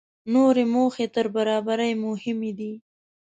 نورې موخې تر برابرۍ مهمې دي.